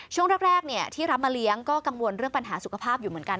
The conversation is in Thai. ช่วงแรกที่รับมาเลี้ยงก็กังวลเรื่องปัญหาสุขภาพอยู่เหมือนกัน